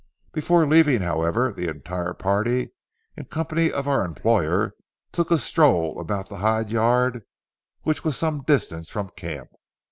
Before leaving, however, the entire party in company of our employer took a stroll about the hide yard, which was some distance from camp.